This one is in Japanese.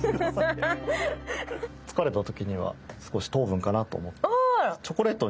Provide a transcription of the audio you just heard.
疲れた時には少し糖分かなと思って。